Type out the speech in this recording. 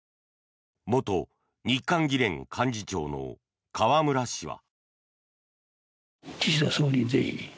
元日韓議連幹事長の河村氏は。